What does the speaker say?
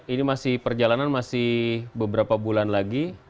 ini masih perjalanan masih beberapa bulan lagi